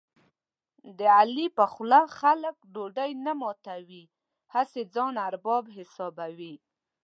د علي په خوله خلک ډوډۍ هم نه ماتوي، هسې ځان ارباب حسابوي.